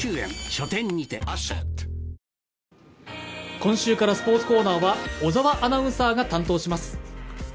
今週からスポーツコーナーは小沢アナウンサーが担当します。